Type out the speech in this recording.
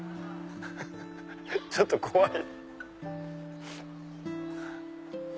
ちょっと怖い。